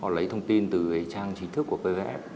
họ lấy thông tin từ trang chính thức của pvf